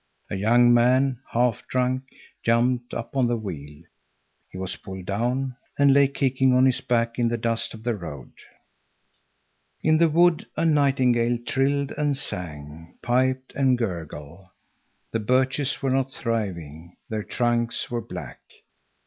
A young man, half drunk, jumped up on the wheel. He was pulled down, and lay kicking on his back in the dust of the road. In the wood a nightingale trilled and sang, piped and gurgled. The birches were not thriving, their trunks were black.